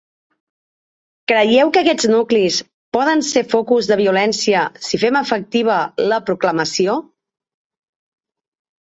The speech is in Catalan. Creieu que aquests nuclis poden ser focus de violència si fem efectiva la proclamació?